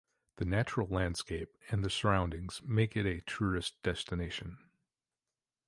The natural landscape and the surroundings makes it a tourist destination.